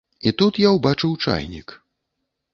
І тут я ўбачыў чайнік.